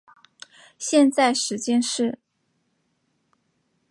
现在时间是。